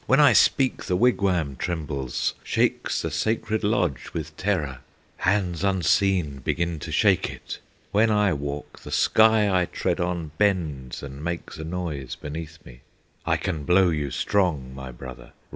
When I speak the wigwam trembles, Shakes the Sacred Lodge with terror, Hands unseen begin to shake it! When I walk, the sky I tread on Bends and makes a noise beneath me! I can blow you strong, my brother!